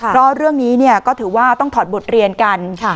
เพราะเรื่องนี้ก็ถือว่าต้องถอดบทเรียนกัน